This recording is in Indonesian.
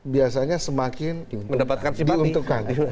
biasanya semakin diuntukkan